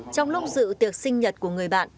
trong lúc dự tiệc sinh nhật của người bạn